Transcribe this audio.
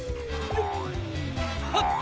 よっ！